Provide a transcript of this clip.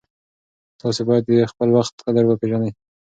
تاسې باید د خپل وخت قدر وپېژنئ.